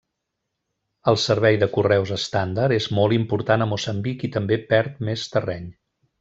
El servei de correus estàndard és molt important a Moçambic i també perd més terreny.